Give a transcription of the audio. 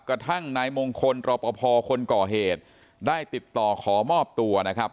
กระทั่งนายมงคลรอปภคนก่อเหตุได้ติดต่อขอมอบตัวนะครับ